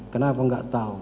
kenapa gak tau